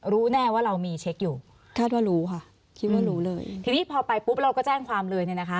รู้แน่ว่าเรามีเช็คอยู่คาดว่ารู้ค่ะคิดว่ารู้เลยทีนี้พอไปปุ๊บเราก็แจ้งความเลยเนี่ยนะคะ